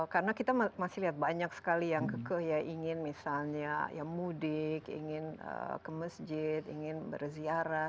karena kita masih lihat banyak sekali yang kekeh ya ingin misalnya ya mudik ingin ke masjid ingin berziarah